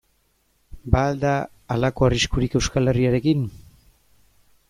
Ba al da halako arriskurik Euskal Herriarekin?